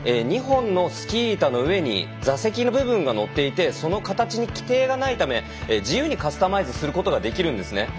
２本のスキー板の上に座席の部分が乗っていてその形に規定がないため自由にカスタマイズすることができるんです。